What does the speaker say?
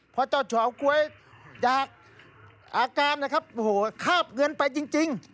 เพราะเจ้าเฉาก๊วยจากอาการนะครับโอ้โหคาบเงินไปจริง